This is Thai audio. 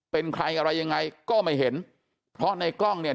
เป็นใครอะไรยังไงก็ไม่เห็นเพราะในกล้องเนี่ย